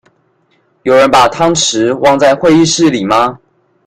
有人把湯匙忘在會議室裡嗎？